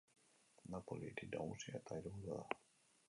Napoli hiri nagusia eta hiriburua da.